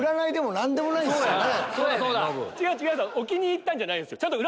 置きに行ったんじゃないです。